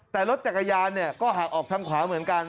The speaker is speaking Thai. แต่รถจักรยานเนี่ยก็หักออกทางขวาเหมือนกัน